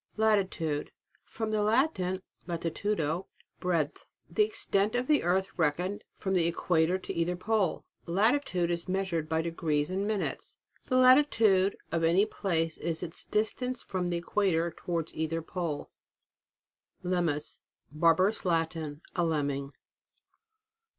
LATITUDE. From the Latin, lalitudo, breadth. The extent of the earth reckoned from the equator to either pole. Latitude is measured by de grees and minutes. The latitude of any place is its distance from the equator towards either pole. LEMMUS. Barbarous Latin. A Lem ming.